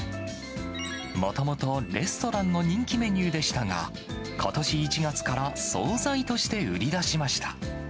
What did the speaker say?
もともと、レストランの人気メニューでしたが、ことし１月から総菜として売り出しました。